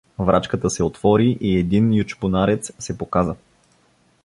Врачката се отвори и един ючбунарец се показа.